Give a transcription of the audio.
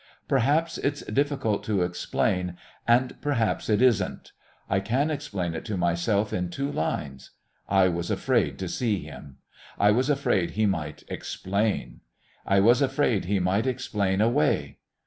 Perhaps it's difficult to explain, and perhaps it isn't. I can explain it to myself in two lines I was afraid to see him. I was afraid he might "explain." I was afraid he might explain "away."